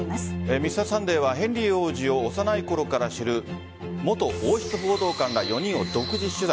「Ｍｒ．サンデー」はヘンリー王子を幼いころから知る元王室報道官ら４人を独自取材。